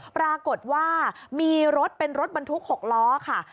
ปรากฏว่ามีรถเป็นรถบรรทุก๖ล้อค่ะ